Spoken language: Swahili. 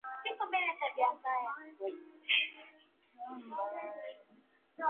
kama Omari Omari uliopenya mkondo wa muziki wa Singeli ulianza kuchezwa zaidi miaka miwili